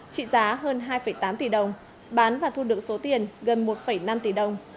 trị giá hơn hai tám tỷ đồng bán và thu được số tiền gần một năm tỷ đồng